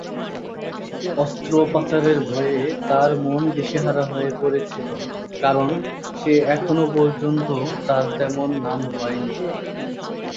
অস্ত্রোপচারের ভয়ে তার মন দিশেহারা হয়ে পড়েছিল কারণ সে এখনও পর্যন্ত তার তেমন নাম হয়নি।